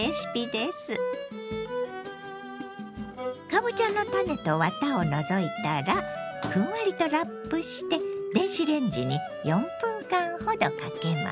かぼちゃの種とワタを除いたらふんわりとラップして電子レンジに４分間ほどかけます。